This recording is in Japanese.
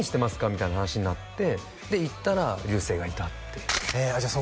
みたいな話になってで行ったら流星がいたっていうじゃあ